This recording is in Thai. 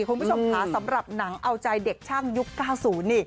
คุณผู้ชมค่ะสำหรับหนังเอาใจเด็กช่างยุค๙๐นี่